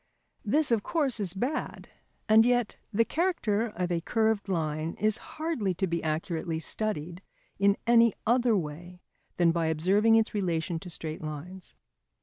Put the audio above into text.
This, of course, is bad, and yet the character of a curved line is hardly to be accurately studied in any other way than by observing its relation to straight lines.